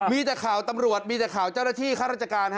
มีแต่ข่าวตำรวจมีแต่ข่าวเจ้าหน้าที่ข้าราชการ